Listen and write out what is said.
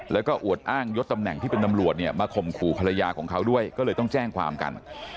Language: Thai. แล้วก็อวดอ้างยศตำแหน่งที่เป็นตำรวจเนี่ยมาข่มขู่ภรรยาของเขาด้วยก็เลยต้องแจ้งความกัน